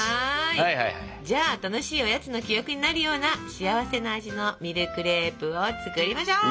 じゃあ楽しいおやつの記憶になるような幸せな味のミルクレープを作りましょう。